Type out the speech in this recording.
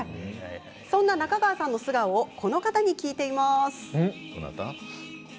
そんな中川さんの素顔をこの方に聞いています。